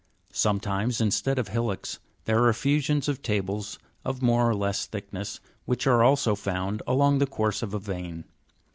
Sometimes, instead of hillocks, there are effusions of tables of more or less thickness (Jig. 280), which are also found along the course of a vein.